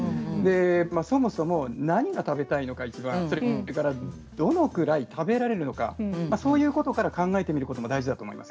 そもそも何が食べたいのかどのくらい食べられるのかそういったことから考えていくことが大事だと思います。